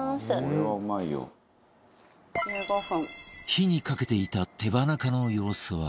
火にかけていた手羽中の様子は？